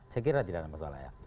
saya kira tidak ada masalah ya